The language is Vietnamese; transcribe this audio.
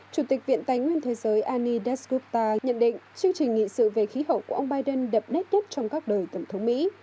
chủ tịch viện tài nguyên thế giới ani desutta nhận định chương trình nghị sự về khí hậu của ông biden đậm nét nhất trong các đời tổng thống mỹ